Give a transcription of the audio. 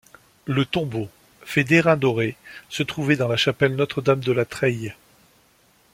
Le tombeau, fait d'airain doré, se trouvait dans la chapelle Notre-Dame de la Treille.